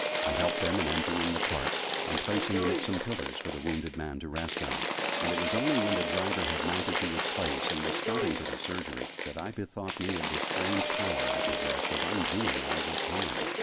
I helped them in emptying the cart, and placing in it some pillows for the wounded man to rest on; and it was only when the driver had mounted to his place, and was starting for the Surgery, that I bethought me of the strange power I possessed of undoing all this harm.